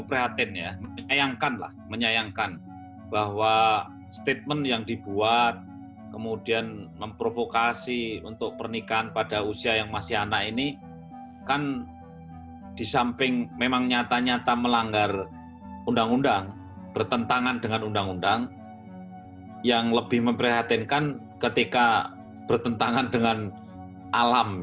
pernikahan anak yang tidak nyata melanggar undang undang bertentangan dengan undang undang yang lebih memprihatinkan ketika bertentangan dengan alam